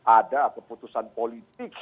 ada keputusan politik